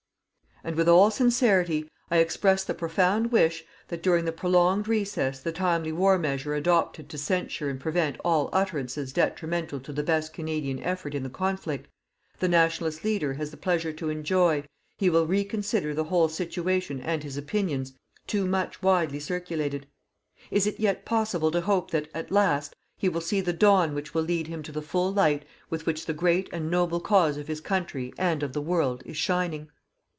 And with all sincerity, I express the profound wish that during the prolonged recess the timely war measure adopted to censure and prevent all utterances detrimental to the best Canadian effort in the conflict, the Nationalist leader has the pleasure to enjoy, he will reconsider the whole situation and his opinions too much widely circulated. Is it yet possible to hope that, at last, he will see the dawn which will lead him to the full light with which the great and noble cause of his country and of the world is shining?